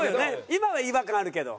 今は違和感あるけど。